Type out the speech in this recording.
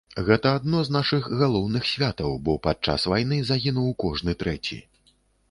Гэта адно з нашых галоўных святаў, бо падчас вайны загінуў кожны трэці.